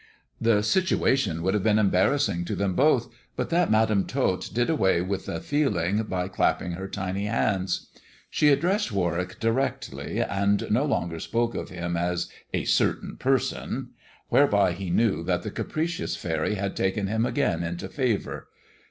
The situation would have been embarrassing to them both but that Madam Tot did away with the feeling by clapping her tiny hands. She addressed Warwick directly, and no longer spoke of him as " a certain person," whereby he knew that the capricious faery had taken him again into favour.